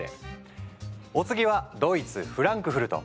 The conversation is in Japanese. お次はドイツフランクフルト。